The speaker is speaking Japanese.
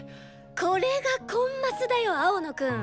これがコンマスだよ青野くん。